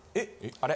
・あれ？